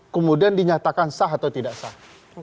kemudian dinyatakan sah atau tidak sah